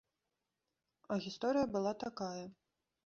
А гісторыя была такая.